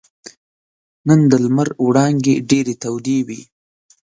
نن د لمر وړانګې ډېرې تودې وې.